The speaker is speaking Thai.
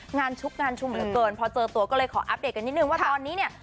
ชุกงานชุมเหลือเกินพอเจอตัวก็เลยขออัปเดตกันนิดนึงว่าตอนนี้เนี่ย